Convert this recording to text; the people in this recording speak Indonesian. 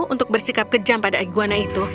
untuk bersikap kejam pada iguana itu